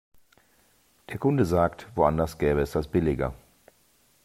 Der Kunde sagt, woanders gäbe es das billiger.